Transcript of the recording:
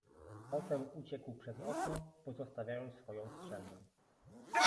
"Potem uciekł przez okno, pozostawiając swoją strzelbę."